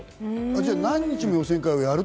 じゃあ何日も予選会やる？